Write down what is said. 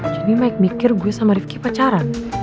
jadi maik mikir gue sama rifqi pacaran